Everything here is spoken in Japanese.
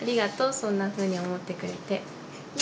そんなふうに思ってくれて。